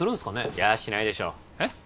いやあしないでしょうへっ？